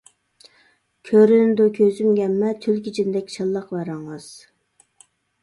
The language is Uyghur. كۆرۈنىدۇ كۆزۈمگە ھەممە، تۈلكە جىندەك شاللاق ۋە رەڭۋاز.